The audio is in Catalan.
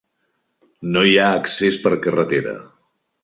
No hi ha accés per carretera.